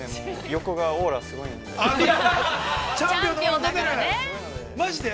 横がオーラがすごいので。